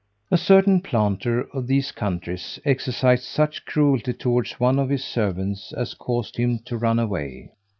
A certain planter of these countries exercised such cruelty towards one of his servants, as caused him to run away.